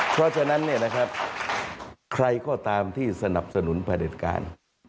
เพราะฉะนั้นใครก็ตามที่สนับสนุนผลิตการ